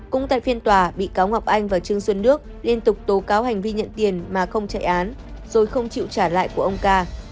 cũng tại phiên tòa bị cáo ngọc anh và trương xuân đức liên tục tố cáo hành vi nhận tiền mà không chạy án rồi không chịu trả lại của ông ca